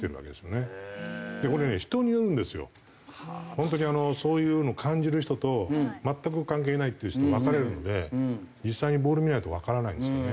本当にそういうの感じる人と全く関係ないっていう人分かれるので実際にボール見ないとわからないんですよね。